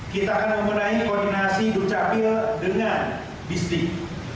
kita akan membenahi koordinasi dukcapil dengan bistik